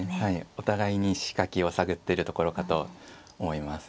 お互いに仕掛けを探ってるところかと思います。